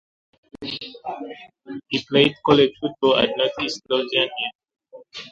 He played college football at Northeast Louisiana.